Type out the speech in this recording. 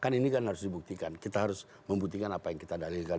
kan ini kan harus dibuktikan kita harus membuktikan apa yang kita dalilkan